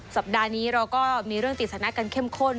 สัปดาห์นี้เราก็มีเรื่องติดสนะกันเข้มข้น